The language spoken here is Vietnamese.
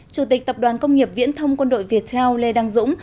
chủ tịch tập đoàn công nghiệp viễn thông quân đội viettel lê đăng dũng